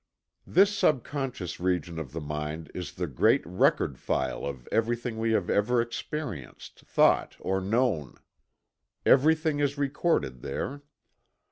This subconscious region of the mind is the great record file of everything we have ever experienced, thought or known. Everything is recorded there.